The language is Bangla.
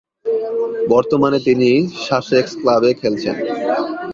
বর্তমানে তিনি সাসেক্স ক্লাবে খেলছেন।